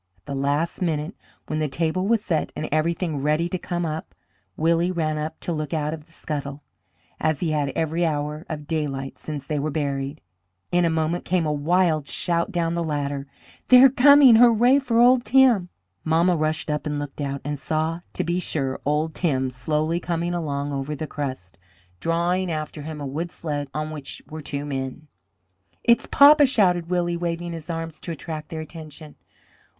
At the last minute, when the table was set and everything ready to come up, Willie ran up to look out of the scuttle, as he had every hour of daylight since they were buried. In a moment came a wild shout down the ladder. "They're coming! Hurrah for old Tim!" Mamma rushed up and looked out, and saw to be sure old Tim slowly coming along over the crust, drawing after him a wood sled on which were two men. "It's papa!" shouted Willie, waving his arms to attract their attention.